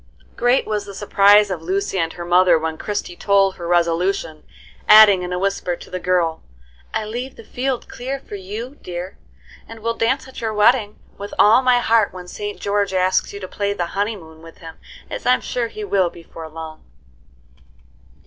Great was the surprise of Lucy and her mother when Christie told her resolution, adding, in a whisper, to the girl, "I leave the field clear for you, dear, and will dance at your wedding with all my heart when St. George asks you to play the 'Honeymoon' with him, as I'm sure he will before long."